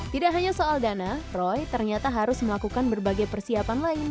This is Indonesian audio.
tidak hanya soal dana roy ternyata harus melakukan berbagai persiapan lain